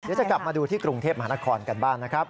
จะกลับมาดูที่กรุงเทพมหานครกันบ้างนะครับ